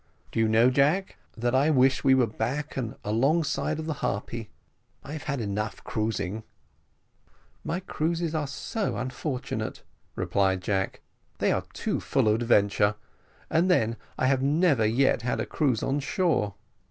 "Do you know, Jack, that I wish we were back and alongside of the _Harpy; _I've had cruising enough." "My cruises are so unfortunate," replied Jack; "they are too full of adventure; but then, I have never yet had a cruise on shore.